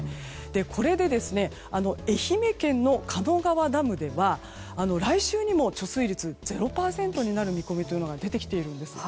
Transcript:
これで愛媛県の鹿野川ダムでは来週にも貯水率が０％になる見込みも出てきているんです。